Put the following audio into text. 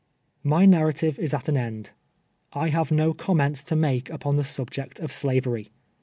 My narrative is at an end. I have no comments to make upon the subject of Slavery.